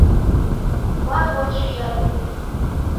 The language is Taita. Waghochuya wuli